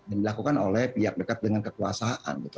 dan dilakukan oleh pihak dekat dengan kekuasaan gitu